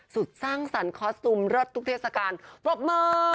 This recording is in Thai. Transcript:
สุดสร้างสรรค์คอสตูมรสทุกเทศกาลพรบมือ